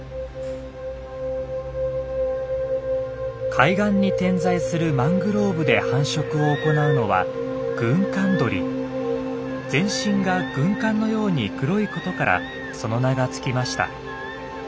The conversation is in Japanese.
海岸に点在するマングローブで繁殖を行うのは全身が軍艦のように黒いことからその名が付きました。